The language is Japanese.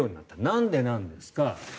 なんでなんですか。